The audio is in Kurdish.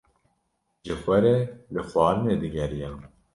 Ji xwe re li xwarinê digeriyan.